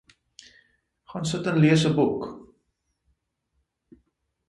Gaan sit en lees 'n boek.